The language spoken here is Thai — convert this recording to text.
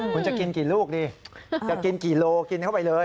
คุณจะกินกี่ลูกดิจะกินกี่โลกินเข้าไปเลย